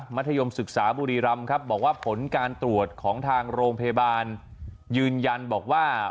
ธยมศึกษาบุรีรำครับบอกว่าผลการตรวจของทางโรงพยาบาลยืนยันบอกว่า